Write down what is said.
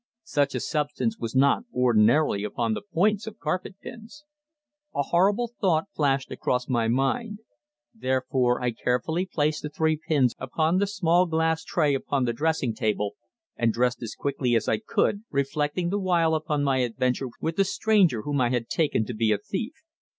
Such a substance was not ordinarily upon the points of carpet pins. A horrible thought flashed across my mind. Therefore I carefully placed the three pins upon the small glass tray upon the dressing table, and dressed as quickly as I could, reflecting the while upon my adventure with the stranger whom I had taken to be a thief.